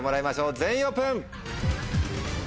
全員オープン！